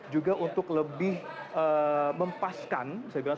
juga untuk lebih mempaskan